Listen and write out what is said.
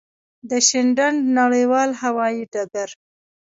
د شینډنډ نړېوال هوایی ډګر.